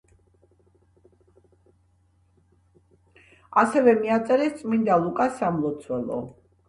ასევე მიაწერეს წმინდა ლუკას სამლოცველო.